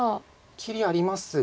切りありますが。